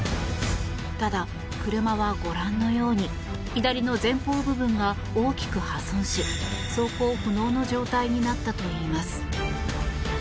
ただ車は、ご覧のように左の前方部分が大きく破損し走行不能の状態になったといいます。